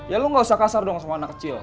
ya lu gak usah kasar dong sama anak kecil